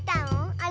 あれ？